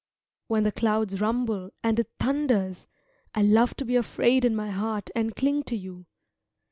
When the clouds rumble and it thunders, I love to be afraid in my heart and cling to you.